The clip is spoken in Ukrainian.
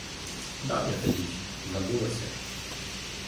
Давня то річ — забулося.